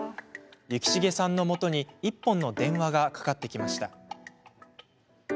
幸重さんのもとに１本の電話がかかってきました。